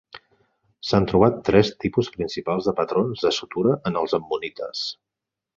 S'han trobat tres tipus principals de patrons de sutura en els ammonites.